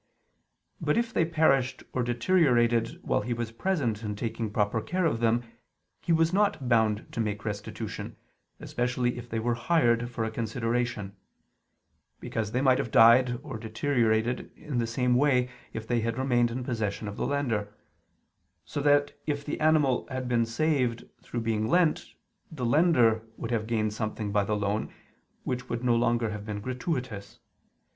But if they perished or deteriorated while he was present and taking proper care of them, he was not bound to make restitution, especially if they were hired for a consideration: because they might have died or deteriorated in the same way if they had remained in possession of the lender, so that if the animal had been saved through being lent, the lender would have gained something by the loan which would no longer have been gratuitous.